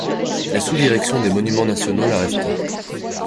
La Sous-direction des Monuments Nationaux la restaure.